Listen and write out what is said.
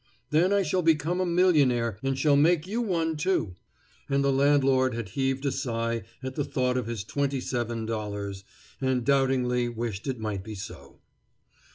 Then I shall become a millionaire and shall make you one, too." And the landlord had heaved a sigh at the thought of his twenty seven dollars, and doubtingly wished it might be so.